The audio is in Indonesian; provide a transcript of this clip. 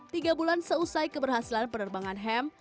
tiga bulan seusai keberhasilan penerbangan ham